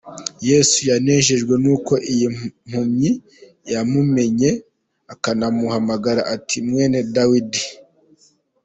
Yesu yanejejwe n’uko iyi mpumyi yamumenye, ikanamuhamagara ati "Mwene Dawidi".